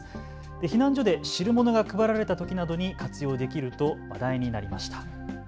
避難所で汁物が配られたときなどに活用できると話題になりました。